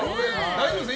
大丈夫ですか？